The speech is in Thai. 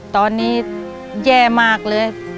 ตอนนี้แย่มากเลย